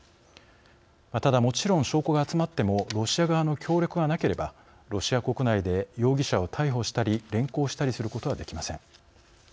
ただ、もちろん証拠が集まってもロシア側の協力がなければロシア国内で容疑者を逮捕したり連行したりすることはできません。